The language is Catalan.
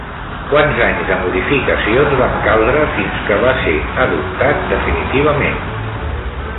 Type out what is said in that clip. Quants anys de modificacions van caldre fins que va ser adoptat definitivament?